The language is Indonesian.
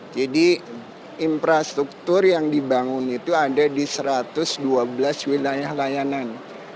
jadi infrastruktur yang dibangun itu ada di satu ratus dua belas wilayah layanan